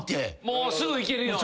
すぐ行けるように。